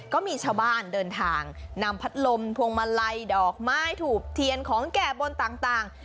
ก็มีชาวบ้านเดินทางนำพัดลมพวงมาลัยดอกไม้ถูกเทียนของแก่บนต่าง